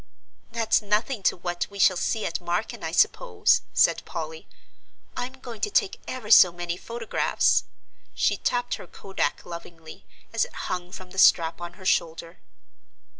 "That's nothing to what we shall see at Marken, I suppose," said Polly. "I'm going to take ever so many photographs." She tapped her kodak lovingly, as it hung from the strap on her shoulder.